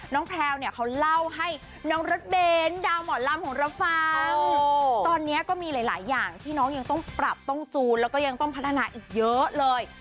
แพลวเนี่ยเขาเล่าให้น้องรถเบ้นดาวหมอลำของเราฟังตอนนี้ก็มีหลายอย่างที่น้องยังต้องปรับต้องจูนแล้วก็ยังต้องพัฒนาอีกเยอะเลย